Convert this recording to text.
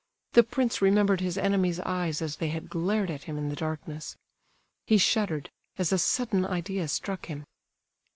The prince remembered his enemy's eyes as they had glared at him in the darkness. He shuddered, as a sudden idea struck him.